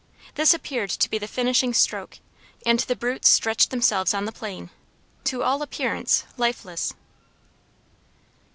This appeared to be the finishing stroke, and the brutes stretched themselves on the plain to all appearance lifeless.